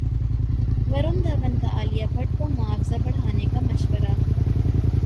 ورن دھون کا عالیہ بھٹ کو معاوضہ بڑھانے کا مشورہ